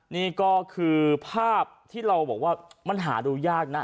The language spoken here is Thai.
นี่ก็คือภาพที่เราบอกว่ามันหาดูยากนะ